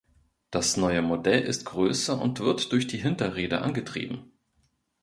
Das neue Modell ist größer und wird durch die Hinterräder angetrieben.